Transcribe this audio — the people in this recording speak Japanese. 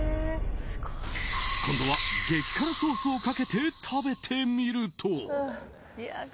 今度は激辛ソースをかけて食べてみると。